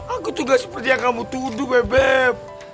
aku tugas seperti yang kamu tuduh bebek